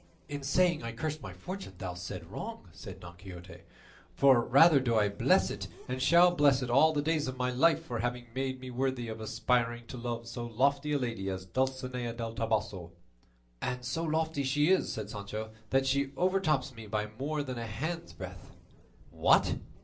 "In saying I cursed my fortune thou saidst wrong," said Don Quixote; "for rather do I bless it and shall bless it all the days of my life for having made me worthy of aspiring to love so lofty a lady as Dulcinea del Toboso." "And so lofty she is," said Sancho, "that she overtops me by more than a hand's breadth." "What!